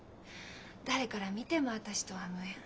誰から見ても私とは無縁。